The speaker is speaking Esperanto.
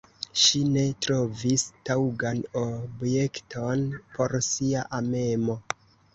Ŝi ne trovis taŭgan objekton por sia amemo.